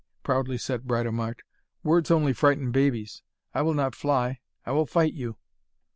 _' proudly said Britomart. 'Words only frighten babies. I will not fly. I will fight you!'